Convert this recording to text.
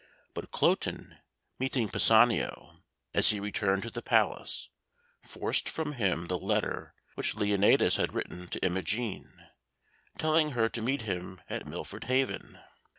But Cloten, meeting Pisanio as he returned to the palace, forced from him the letter which Leonatus had written to Imogen, telling her to meet him at Milford Haven.